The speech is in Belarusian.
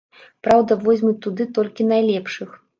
Праўда возьмуць туды толькі найлепшых.